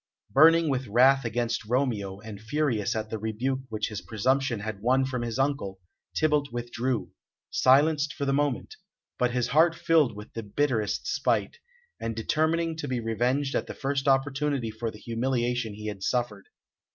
Burning with wrath against Romeo, and furious at the rebuke which his presumption had won from his uncle, Tybalt withdrew, silenced for the moment, but his heart filled with the bitterest spite, and determining to be revenged at the first opportunity for the humiliation he had suffered.